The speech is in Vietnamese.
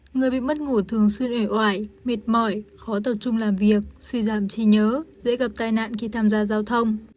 người bị mất ngủ thường xuyên ẩy oải mệt mỏi khó tập trung làm việc suy giảm trí nhớ dễ gặp tai nạn khi tham gia giao thông